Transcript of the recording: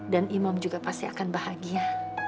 dan imam juga pasti akan bahagia